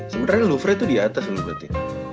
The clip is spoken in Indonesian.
sebenernya lufre tuh di atas loh berarti